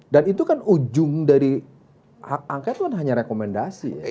dan itu kan ujung dari hak angket bukan hanya rekomendasi